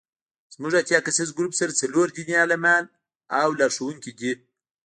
زموږ اتیا کسیز ګروپ سره څلور دیني عالمان او لارښوونکي دي.